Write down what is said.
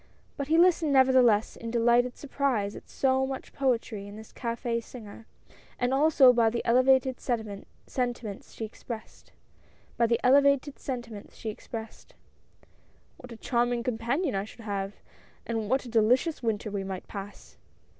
But he listened nevertheless in delight ed surprise at so much poetry in this caf^ singer, and also by the elevated sentiments she expressed. " What a charming companion I should have, and what a delicious winter we might pass